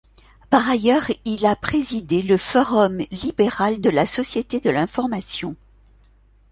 Par ailleurs, il a présidé le Forum libéral de la société de l'information.